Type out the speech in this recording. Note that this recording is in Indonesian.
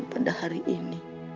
pada hari ini